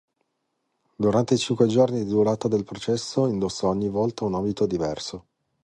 Durante i cinque giorni di durata del processo, indossò ogni volta un abito diverso.